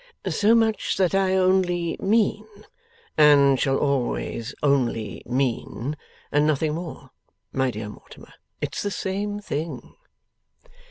'So much that I only mean and shall always only mean and nothing more, my dear Mortimer. It's the same thing.